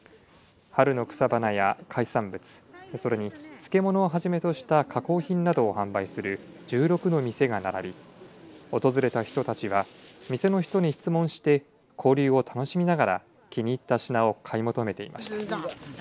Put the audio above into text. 春の草花や海産物それに漬物を始めとした加工品などを販売する１６の店が並び訪れた人たちは店の人に質問して交流を楽しみながら気に入った品を買い求めていました。